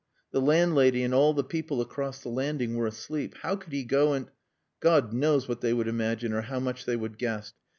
The landlady and all the people across the landing were asleep. How could he go and... God knows what they would imagine, or how much they would guess.